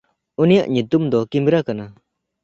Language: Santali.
ᱩᱱᱤᱭᱟᱜ ᱧᱩᱛᱩᱢ ᱫᱚ ᱠᱤᱢᱵᱨᱟ ᱠᱟᱱᱟ᱾